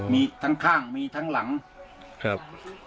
มีทั้งข้างมีทั้งหลังครับ